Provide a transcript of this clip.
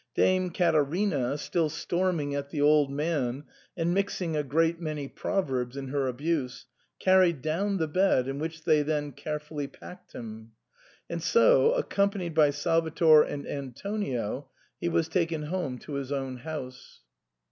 Dame Caterina, still storming at the old man, and mixing a great many proverbs in her abuse, carried down the bed, in which they then care fully packed him ; and so, accompanied by Salvator and Antonio, he was taken home to his own house.